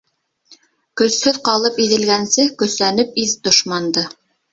Көсһөҙ ҡалып иҙелгәнсе, көсәнеп иҙ дошманды.